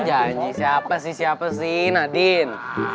janji siapa sih siapa sih nadine